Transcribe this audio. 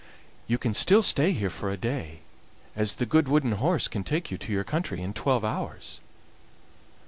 You can still stay here for a day, as the good wooden horse can take you to your country in twelve hours."